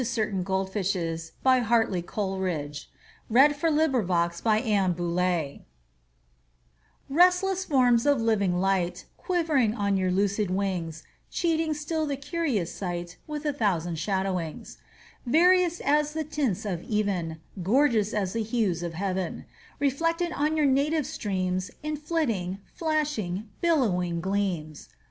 G H . I J . K L . M N . O P . Q R . S T . U V . W X . Y Z Address to Certain Golfishes RESTLESS forms of living light Quivering on your lucid wings, Cheating still the curious sight With a thousand shadowings; Various as the tints of even, Gorgeous as the hues of heaven, Reflected on you native streams In flitting, flashing, billowy gleams!